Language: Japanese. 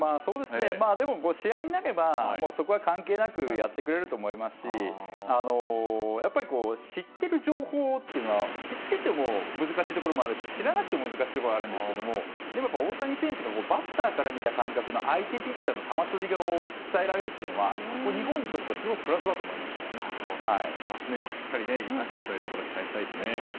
でも、試合になればそこは関係なくやってくれると思いますしやっぱり知っている情報というのは、知っていても難しいところもあるし知らなくても難しいところはあるんですけどでも大谷選手がバッターから見た感覚の相手ピッチャーの球筋を伝えられるのは日本にとってはプラス面をしっかり生かしてというところ期待したいですね。